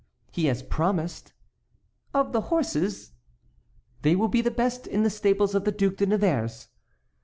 "He has promised." "Of the horses?" "They will be the best in the stables of the Duc de Nevers."